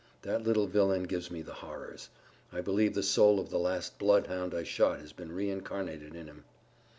That little villain gives me the horrors. I believe the soul of the last bloodhound I shot has been reincarnated in him."